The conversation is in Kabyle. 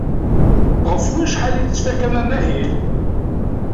Ɣef wacḥal ay tettfakam amahil?